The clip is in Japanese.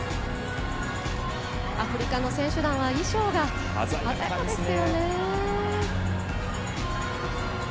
アフリカの選手団は衣装が鮮やかですよね。